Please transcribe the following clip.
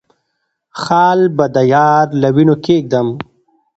خال به د يار له وينو کېږدم